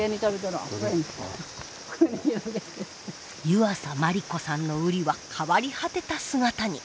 湯浅万里子さんのウリは変わり果てた姿に。